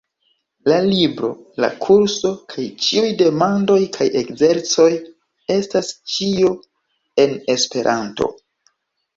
La libro, la kurso, kaj ĉiuj demandoj kaj ekzercoj estas ĉio en Esperanto.